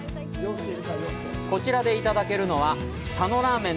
こちらでいただけるのは、佐野ラーメン